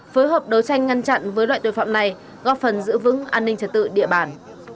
phối hợp đấu tranh ngăn chặn với loại tội phạm này góp phần giữ vững an ninh trật tự địa bàn